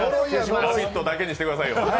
「ラヴィット！」だけにしてくださいよ。